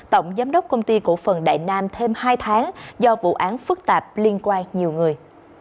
tổng giám đốc công ty cổ phần đại nam thêm hai tháng do vụ án phức tạp liên quan nhiều người